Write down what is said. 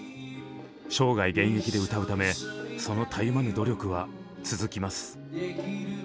生涯現役で歌うためそのたゆまぬ努力は続きます。